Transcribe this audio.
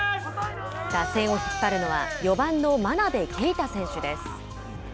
打線を引っ張るのは４番の真鍋慧選手です。